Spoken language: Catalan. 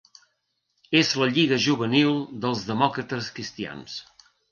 És la lliga juvenil dels Demòcrates Cristians.